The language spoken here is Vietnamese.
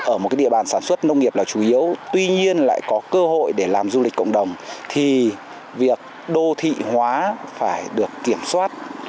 ở một địa bàn sản xuất nông nghiệp là chủ yếu tuy nhiên lại có cơ hội để làm du lịch cộng đồng thì việc đô thị hóa phải được kiểm soát